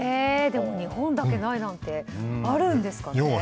でも日本だけないなんてあるんですかね？